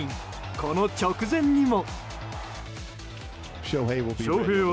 この直前にも。